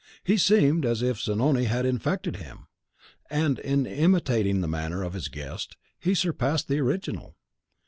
He seemed as if Zanoni had infected him; and in imitating the manner of his guest, he surpassed the original.